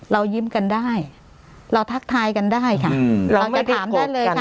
เรายิ้มกันได้เราทักทายกันได้ค่ะเราจะถามได้เลยค่ะ